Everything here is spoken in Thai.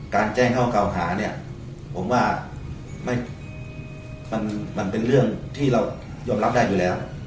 แจ้งข้อเก่าหาเนี่ยผมว่ามันเป็นเรื่องที่เรายอมรับได้อยู่แล้ว